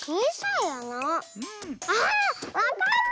あわかった！